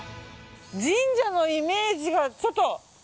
神社のイメージがちょっと。